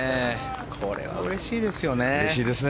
これはうれしいですよね。